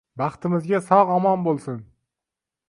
Baxtimizga sog`–omon bo`lsin